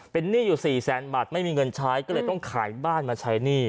เป็นหนี้อยู่สี่แสนบาทไม่มีเงินใช้ก็เลยต้องขายบ้านมาใช้หนี้